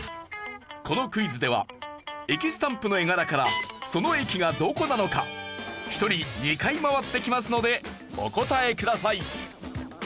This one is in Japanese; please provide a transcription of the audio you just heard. このクイズでは駅スタンプの絵柄からその駅がどこなのか１人２回回ってきますのでお答えください。